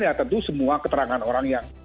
ya tentu semua keterangan orang yang